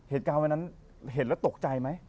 เหตุการณ์วันนั้นเห็นแล้วตกใจไหม